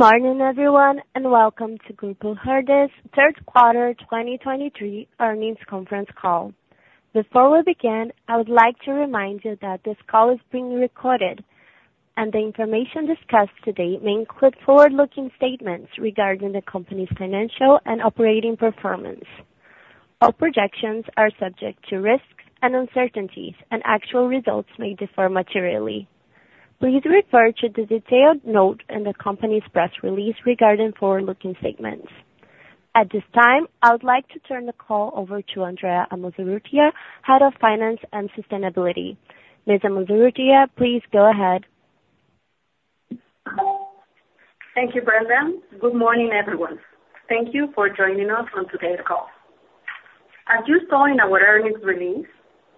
Good morning, everyone, and welcome to Grupo Herdez Q3 2023 earnings conference call. Before we begin, I would like to remind you that this call is being recorded, and the information discussed today may include forward-looking statements regarding the company's financial and operating performance. All projections are subject to risks and uncertainties, and actual results may differ materially. Please refer to the detailed note in the company's press release regarding forward-looking statements. At this time, I would like to turn the call over to Andrea Amozurrutia, Head of Finance and Sustainability. Ms. Amozurrutia, please go ahead. Thank you, Brenda. Good morning, everyone. Thank you for joining us on today's call. As you saw in our earnings release,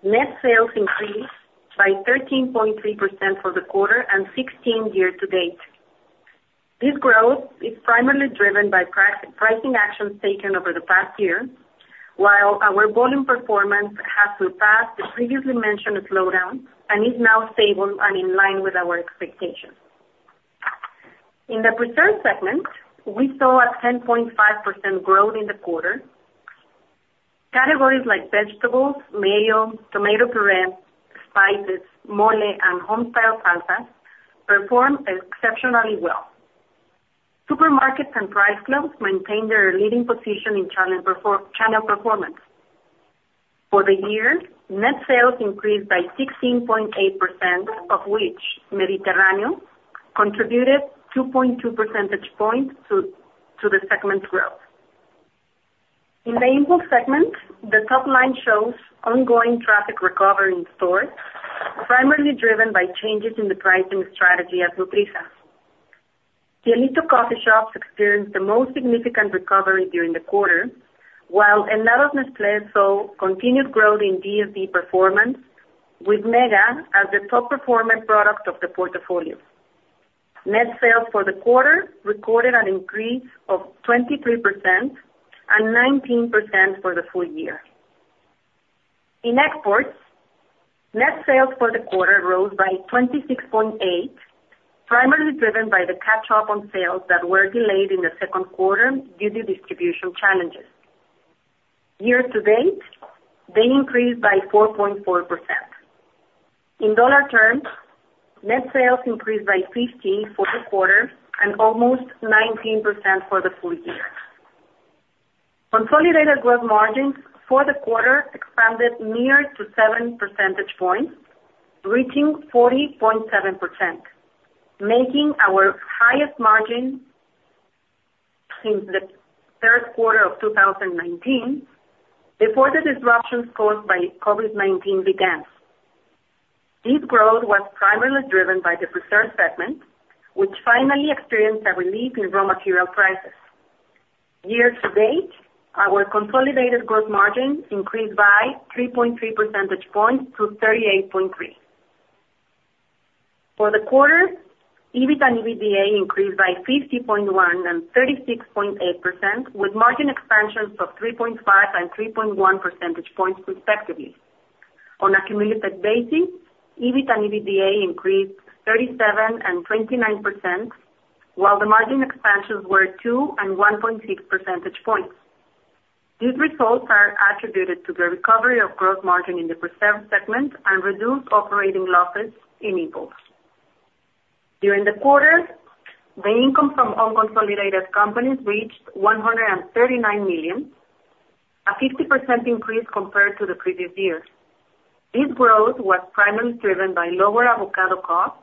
net sales increased by 13.3% for the quarter and 16 year-to-date. This growth is primarily driven by pricing actions taken over the past year, while our volume performance has surpassed the previously mentioned slowdown and is now stable and in line with our expectations. In the preserved segment, we saw a 10.5% growth in the quarter. Categories like vegetables, mayo, tomato puree, spices, mole, and home-style salsas performed exceptionally well. Supermarkets and price clubs maintained their leading position in channel performance. For the year, net sales increased by 16.8%, of which Mediterráneo contributed 2.2 percentage points to the segment's growth. In the impulse segment, the top line shows ongoing traffic recovery in stores, primarily driven by changes in the pricing strategy at Nutrisa. Cielito coffee shops experienced the most significant recovery during the quarter, while Don Miguel saw continued growth in DSD performance, with Mega as the top performing product of the portfolio. Net sales for the quarter recorded an increase of 23% and 19% for the full year. In exports, net sales for the quarter rose by 26.8, primarily driven by the catch-up on sales that were delayed in the Q2 due to distribution challenges. Year to date, they increased by 4.4%. In dollar terms, net sales increased by 15 for the quarter and almost 19% for the full year. Consolidated gross margins for the quarter expanded near to seven percentage points, reaching 40.7%, making our highest margin since the Q3 of 2019, before the disruptions caused by COVID-19 began. This growth was primarily driven by the preserved segment, which finally experienced a relief in raw material prices. Year to date, our consolidated gross margin increased by 3.3 percentage points to 38.3. For the quarter, EBIT and EBITDA increased by 50.1% and 36.8%, with margin expansions of 3.5 and 3.1 percentage points, respectively. On a cumulative basis, EBIT and EBITDA increased 37% and 29%, while the margin expansions were two and 1.6 percentage points. These results are attributed to the recovery of gross margin in the preserved segment and reduced operating losses in Helados. During the quarter, the income from unconsolidated companies reached 139 million, a 50% increase compared to the previous year. This growth was primarily driven by lower avocado costs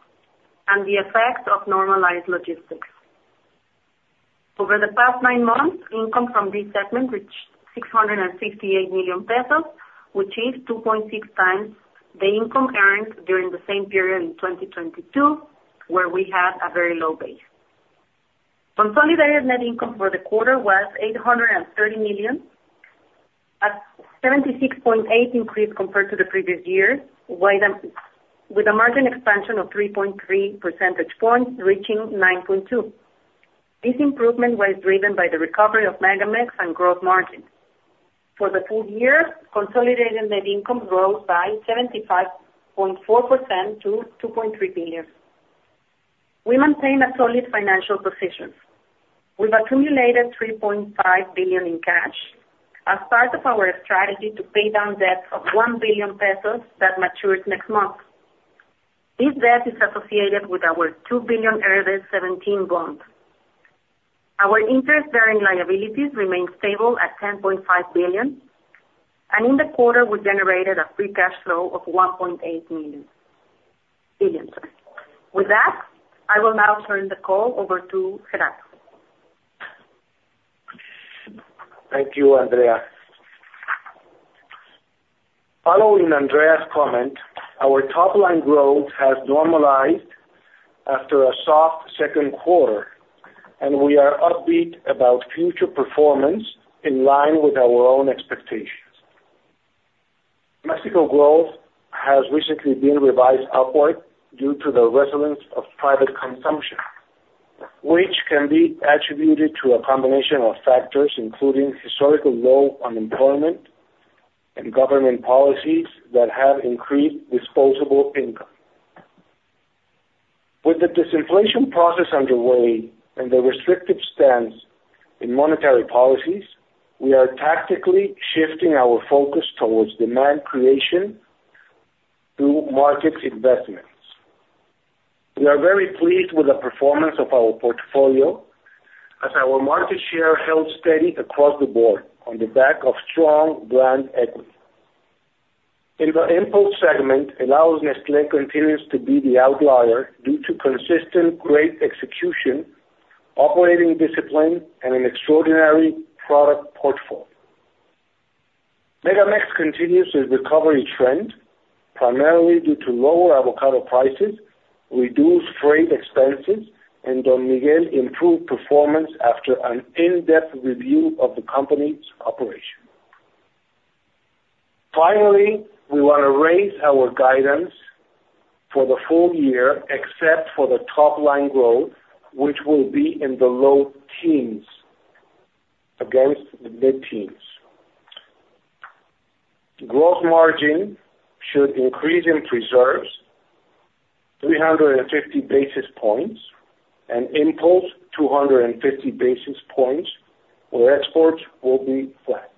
and the effects of normalized logistics. Over the past nine months, income from this segment reached 668 million pesos, which is 2.6x the income earned during the same period in 2022, where we had a very low base. Consolidated net income for the quarter was 830 million, a 76.8 increase compared to the previous year, with a margin expansion of 3.3 percentage points, reaching 9.2. This improvement was driven by the recovery of MegaMex and gross margin. For the full year, consolidated net income growth by 75.4% to 2.3 billion. We maintain a solid financial position. We've accumulated 3.5 billion in cash as part of our strategy to pay down debt of 1 billion pesos that matures next month. This debt is associated with our 2 billion Herdez 17 bond. Our interest-bearing liabilities remain stable at 10.5 billion, and in the quarter, we generated a free cash flow of 1.8 million, billion, sorry. With that, I will now turn the call over to Gerardo. Thank you, Andrea. Following Andrea's comment, our top-line growth has normalized after a soft Q2, and we are upbeat about future performance in line with our own expectations. Mexico growth has recently been revised upward due to the resilience of private consumption, which can be attributed to a combination of factors, including historical low unemployment and government policies that have increased disposable income. With the disinflation process underway and the restrictive stance in monetary policies, we are tactically shifting our focus towards demand creation through market investments. We are very pleased with the performance of our portfolio as our market share held steady across the board on the back of strong brand equity. In the impulse segment, Helados Nestlé continues to be the outlier due to consistent, great execution, operating discipline and an extraordinary product portfolio. MegaMex continues its recovery trend, primarily due to lower avocado prices, reduced freight expenses, and Don Miguel improved performance after an in-depth review of the company's operation. Finally, we want to raise our guidance for the full year, except for the top-line growth, which will be in the low teens against the mid-teens. Gross margin should increase in Preserves 350 basis points and Impulse, 250 basis points, where Exports will be flat.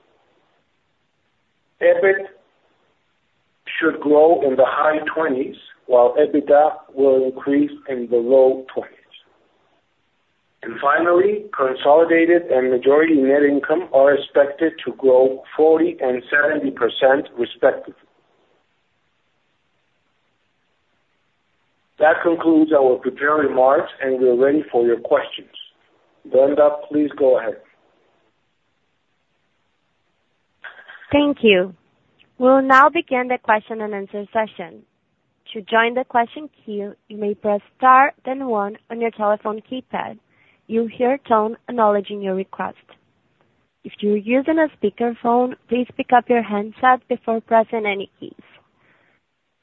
EBIT should grow in the high 20s, while EBITDA will increase in the low 20s. Finally, consolidated and majority net income are expected to grow 40% and 70%, respectively. That concludes our prepared remarks, and we're ready for your questions. Brenda, please go ahead. Thank you. We'll now begin the question-and-answer session. To join the question queue, you may press star then one on your telephone keypad. You'll hear a tone acknowledging your request. If you're using a speakerphone, please pick up your handset before pressing any keys.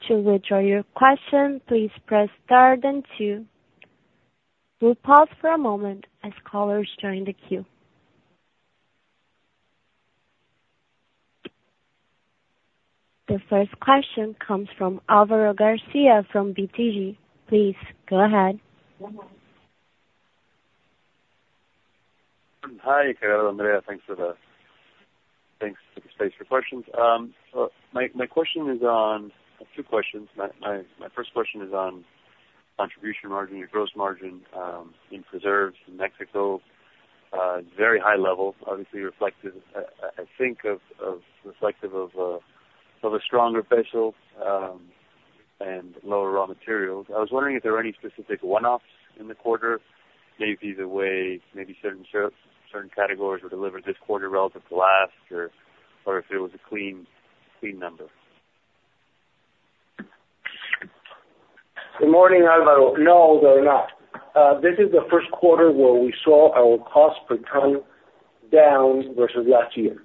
To withdraw your question, please press star then two. We'll pause for a moment as callers join the queue. The first question comes from Álvaro García from BTG. Please go ahead. Hi, Gerardo, Andrea. Thanks for the thanks for the space for questions. My, my question is on. Two questions. My, my, my first question is on contribution margin, your gross margin in preserves in Mexico, very high level, obviously reflective, I, I think of, of reflective of, of a stronger peso and lower raw materials. I was wondering if there were any specific one-offs in the quarter, maybe the way maybe certain categories were delivered this quarter relative to last, or, or if it was a clean, clean number? Good morning, Álvaro. No, they're not. This is the Q1 where we saw our cost per ton down versus last year.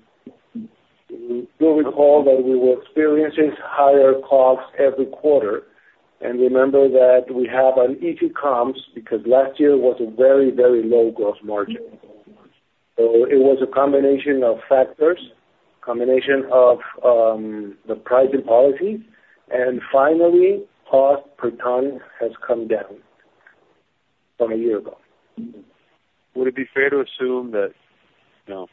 You'll recall that we were experiencing higher costs every quarter and remember that we have an easy comp because last year was a very, very low gross margin. It was a combination of factors, combination of the pricing policy, and finally, cost per ton has come down from a year ago. Would it be fair to assume that, you know,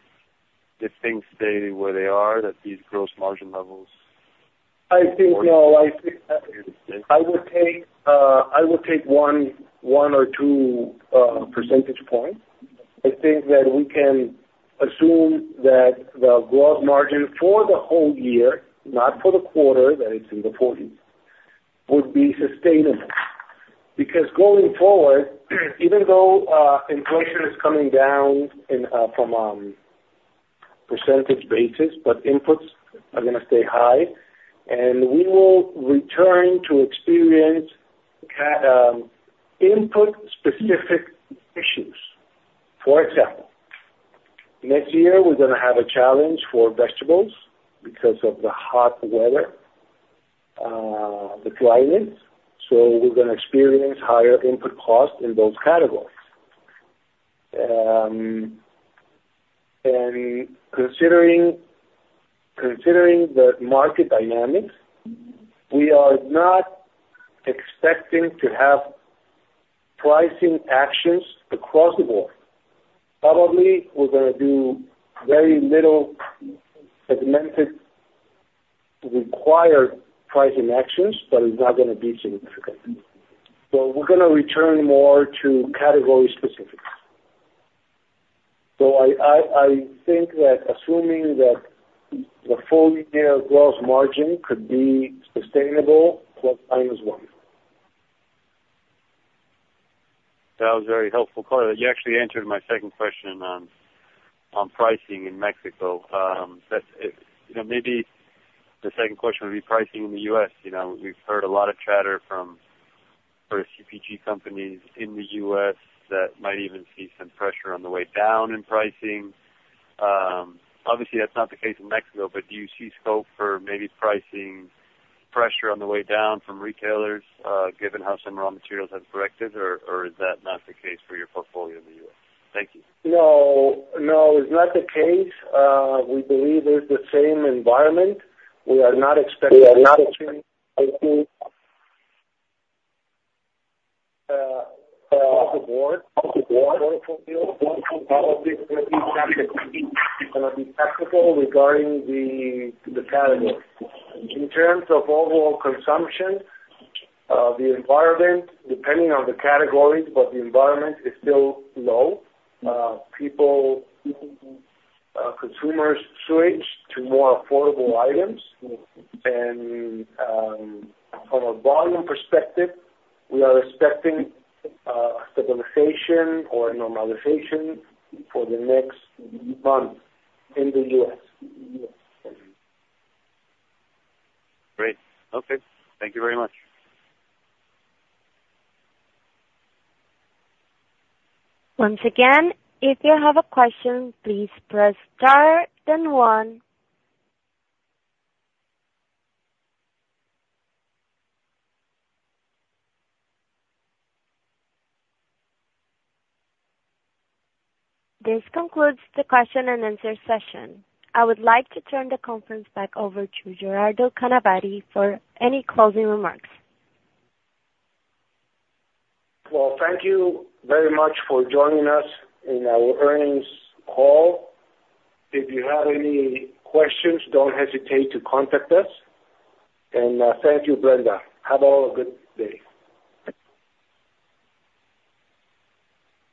if things stay where they are, that these gross margin levels? I think, no, I think I would take one or two percentage points. I think that we can assume that the gross margin for the whole year, not for the quarter, that it's in the 40s, would be sustainable. Because going forward, even though inflation is coming down from percentage basis, but inputs are gonna stay high, and we will return to experience input-specific issues. For example, next year, we're gonna have a challenge for vegetables because of the hot weather, the climate, so we're gonna experience higher input costs in those categories. Considering the market dynamics, we are not expecting to have pricing actions across the board. Probably, we're gonna do very little segmented required pricing actions, but it's not gonna be significant. We're gonna return more to category specifics. I think that assuming that the full-year gross margin could be sustainable, plus minus 1. That was very helpful, claro. You actually answered my second question on pricing in Mexico. You know, maybe the second question would be pricing in the U.S. You know, we've heard a lot of chatter from sort of CPG companies in the U.S. that might even see some pressure on the way down in pricing. Obviously, that's not the case in Mexico, but do you see scope for maybe pricing pressure on the way down from retailers, given how some raw materials have corrected, or is that not the case for your portfolio in the U.S.? Thank you. No, no, it's not the case. We believe it's the same environment. We are not expecting off the board, portfolio, going to be flexible regarding the category. In terms of overall consumption, the environment, depending on the categories, but the environment is still low. People, consumers switch to more affordable items, and from a volume perspective, we are expecting stabilization or normalization for the next month in the U.S. Great. Okay. Thank you very much. Once again, if you have a question, please press star then one. This concludes the question-and-answer session. I would like to turn the conference back over to Gerardo Canavati for any closing remarks. Well, thank you very much for joining us in our earnings call. If you have any questions, don't hesitate to contact us. Thank you, Brenda. Have all a good day.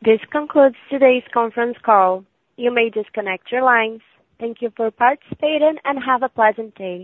This concludes today's conference call. You may disconnect your lines. Thank you for participating, and have a pleasant day.